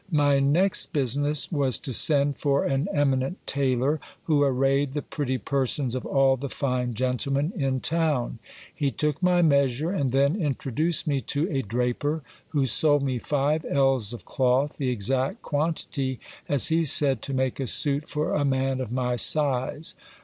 My next business was to send for an eminent tailor, who arrayed the pretty persons of all the fine gen tlemen in town. He took my measure, and then introduced me to a draper, who sold me five ells of cloth, the exact quantity, as he said, to make a suit for a man of my size.